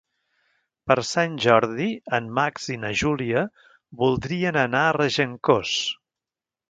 Per Sant Jordi en Max i na Júlia voldrien anar a Regencós.